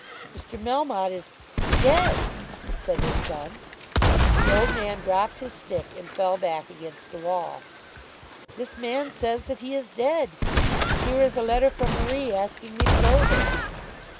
"Mr. Melmotte is dead," said his son. The old man dropped his stick, and fell back against the wall. "This man says that he is dead, and here is a letter from Marie asking me to go there.